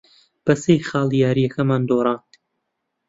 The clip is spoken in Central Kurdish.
بە سێ خاڵ یارییەکەمان دۆڕاند.